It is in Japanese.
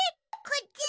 こっち！